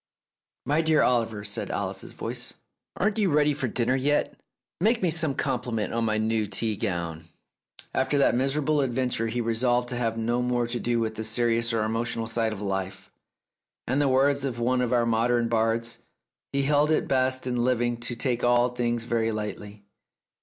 "My dear Oliver," said Alice's voice, "aren't you ready for dinner yet ? Make me some compliment on my new tea gown. ..." After that miserable adventure he resolved to have no more to do with the serious or emotional side of life, and in the words of one of our modern bards "he held it best in living to take all things very lightly."